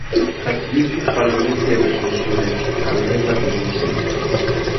Ka ti yihi pukparim din be bɛ suhiri ni, ka bɛ leei mabiyinsi.